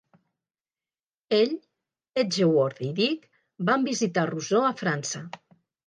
Ell, Edgeworth i Dick van visitar Rousseau a França.